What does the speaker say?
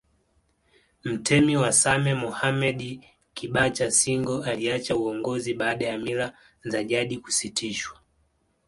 Mtemi wa Same Mohammedi Kibacha Singo aliacha uongozi baada ya mila za jadi kusitishwa